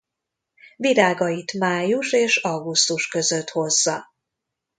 Virágait május és augusztus között hozza.